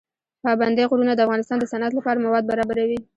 پابندی غرونه د افغانستان د صنعت لپاره مواد برابروي.